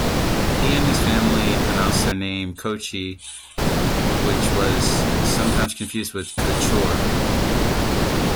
He and his family pronounced their name "Koochee", which was sometimes confused with "Couture".